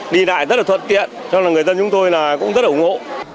đi lại rất là thuận tiện cho nên là người dân chúng tôi cũng rất là ủng hộ